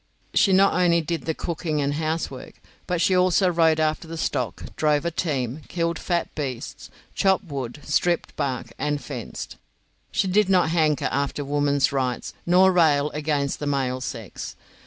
She not only did the cooking and housework, but she also rode after stock, drove a team, killed fat beasts, chopped wood, stripped bark, and fenced. She did not hanker after woman's rights, nor rail against the male sex.